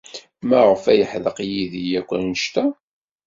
Maɣef ay yeḥdeq yid-i akk anect-a?